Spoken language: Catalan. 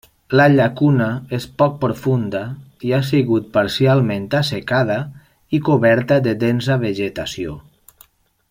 La llacuna és poc profunda i ha sigut parcialment assecada i coberta de densa vegetació.